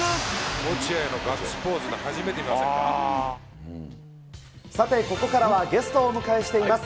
落合のガッツポーズ、さてここからは、ゲストをお迎えしています。